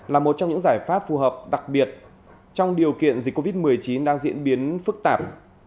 là một trong những giải pháp phù hợp đặc biệt trong điều kiện dịch covid một mươi chín đang diễn biến phức tạp